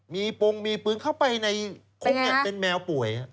มีปงมีปืนเข้าไปในคุกเป็นแมวป่วย